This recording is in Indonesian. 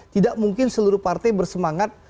tidak mungkin seluruh partai bersemangat